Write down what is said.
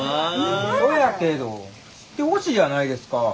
そやけど知ってほしいやないですか。